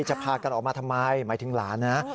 จะพากันออกมาทำไมหมายถึงหลานนะ